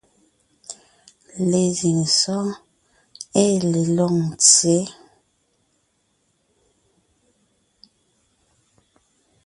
Lezíŋ sɔ́ɔn ée le Lôŋtsyě,